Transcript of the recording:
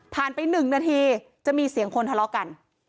ผ่านไปหนึ่งนาทีจะมีเสียงคนทะเลาะกัน